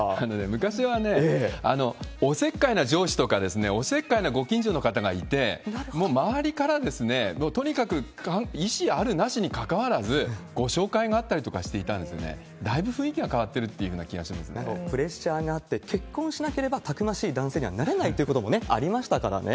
昔はね、おせっかいな上司とか、おせっかいなご近所の方がいて、もう周りから、とにかく意思ある、なしにかかわらず、ご紹介があったりとかして、だいぶ雰囲気が変わってるという気がプレッシャーがあって、結婚しなければたくましい男性にはなれないということもありましたからね。